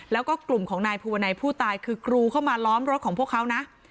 แล้วก็กลุ่มของนายภูวนัยผู้ตายคือกรูเข้ามาล้อมรถของพวกเขานะ